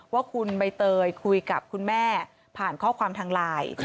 ว่าคุณใบเตยคุยกับคุณแม่ผ่านข้อความทางไลน์